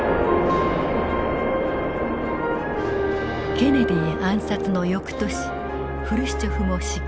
ケネディ暗殺の翌年フルシチョフも失脚。